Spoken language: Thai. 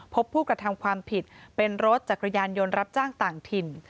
พบผู้กระทำความผิดเป็นรถจักรยานยนต์รับจ้างต่างถิ่น